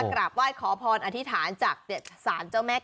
เขาก็ทำการเสี่ยงโชค